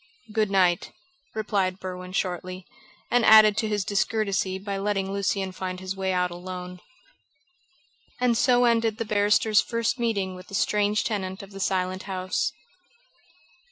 "Good night," replied Berwin shortly, and added to his discourtesy by letting Lucian find his way out alone. And so ended the barrister's first meeting with the strange tenant of the Silent House.